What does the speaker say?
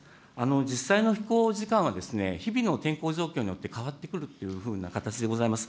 実際の飛行時間は、日々の天候状況によって変わってくるっていうふうな形でございます。